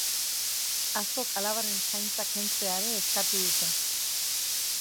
Askok alabaren zaintza kentzea ere eskatu dute.